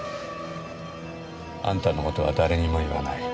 あんたの事は誰にも言わない。